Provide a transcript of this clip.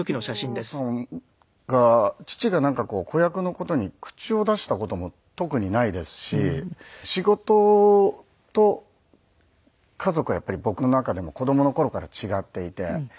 お父さんが父がなんか子役の事に口を出した事も特にないですし仕事と家族はやっぱり僕の中でも子供の頃から違っていて。